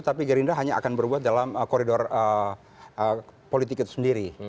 tapi gerindra hanya akan berbuat dalam koridor politik itu sendiri